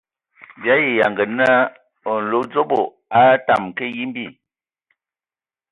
Bii ayi yanga naa nlodzobo a tamǝ ka yimbi.